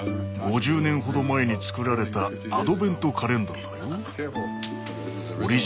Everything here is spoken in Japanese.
５０年ほど前に作られたアドベントカレンダーだよ。